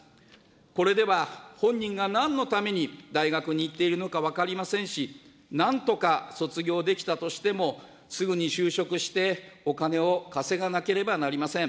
これでは、本人がなんのために大学に行っているのか分かりませんし、なんとか卒業できたとしても、すぐに就職して、お金を稼がなければなりません。